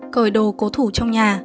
cởi đồ cố thủ trong nhà